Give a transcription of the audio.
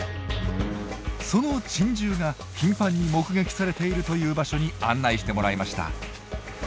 その珍獣が頻繁に目撃されているという場所に案内してもらいました。